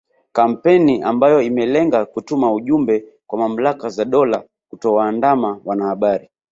Kampeni ambayo imelenga kutuma ujumbe kwa mamlaka za dola kutowaandama wanahabari